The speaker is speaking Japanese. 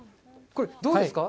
これどうですか？